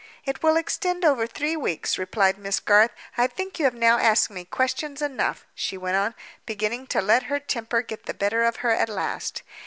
"It will extend over three weeks," replied Miss Garth. "I think you have now asked me questions enough," she went on, beginning to let her temper get the better of her at last.